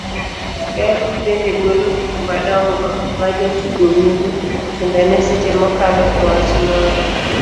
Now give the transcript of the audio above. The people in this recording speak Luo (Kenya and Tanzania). ler gi bende golo gik madongo majatugo winjo, timbene seche mokalo e wach moro